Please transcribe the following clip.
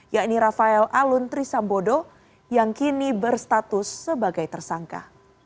yakni rafael alun trisambodo yang kini berstatus sebagai tersangka